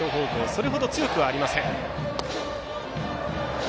それほど強くありません。